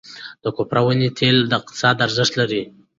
د کوپره ونې تېل اقتصادي ارزښت لري.